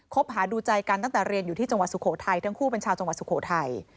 หาดูใจกันตั้งแต่เรียนอยู่ที่จังหวัดสุโขทัยทั้งคู่เป็นชาวจังหวัดสุโขทัย